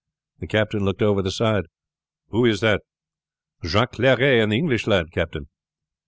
The captain looked over the side: "Who is that?" "Jacques Clery and the English lad, captain."